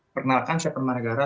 perkenalkan saya padmanegara